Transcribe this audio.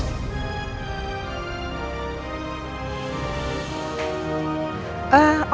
mengapa dia kesini